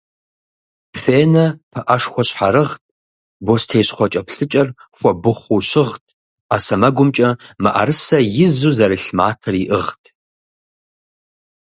Фенэ пыӏэшхуэ щхьэрыгът, бостей щхъуэкӏэплъыкӏэр хуэбыхъуу щыгът, ӏэ сэмэгумкӏэ мыӏрысэ изу зэрлъ матэр иӏыгът.